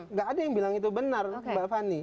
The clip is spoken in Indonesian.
nggak ada yang bilang itu benar mbak fani